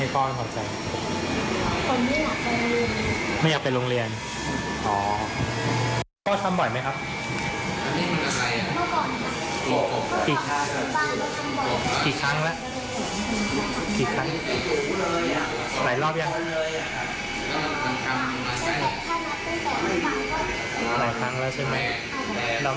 คนไม่อยากไปโรงเรียน